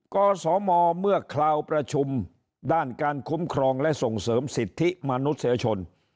กศมเมื่อคราวประชุมด้านการคุ้มครองและส่งเสริมสิทธิมนุษยชน